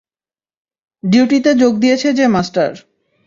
ডিউটিতে যোগ দিয়েছে যে মাস্টার।